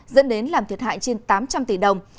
dẫn đến làm thiệt hại trên tám trăm linh tỷ đồng